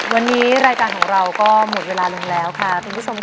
วันนี้รายการของเราก็หมดเวลาลงแล้วค่ะ